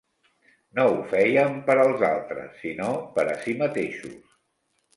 No ho feien per als altres, sinó per a si mateixos.